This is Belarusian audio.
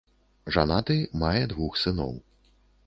Жанаты, мае двух сыноў.